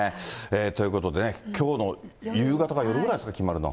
ということでね、きょうの夕方か夜ぐらいですか、決まるの。